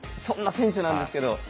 そんな選手なんですけど。